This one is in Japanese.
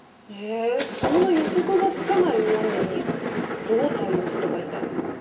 えそんな予測がつかない大雨にどう対応すればいいんだろう。